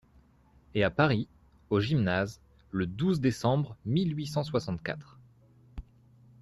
Et à Paris, au Gymnase , le douze décembre mille huit cent soixante-quatre.